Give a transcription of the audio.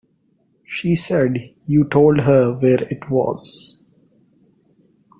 She said you told her where it was.